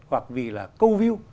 hoặc vì là câu view